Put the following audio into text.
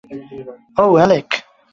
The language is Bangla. ওহ, অ্যালেক!